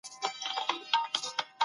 دغه ډول زده کړو ته سکولاستيک ويل کيده.